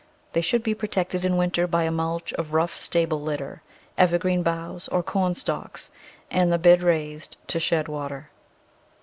They should be protected in winter by a mulch of rough stable litter, evergreen boughs, or corn stalks, and the bed raised to shed water.